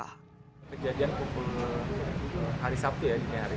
kejadian pukul hari sabtu ya dini hari